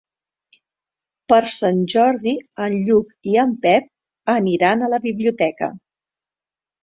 Per Sant Jordi en Lluc i en Pep aniran a la biblioteca.